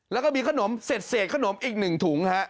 แล้วก็มีขนมเสร็จขนมอีก๑ถุงฮะ